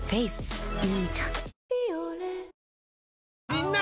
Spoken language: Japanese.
みんな！